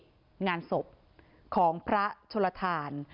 การใช้มีงานสบของพระชนทาน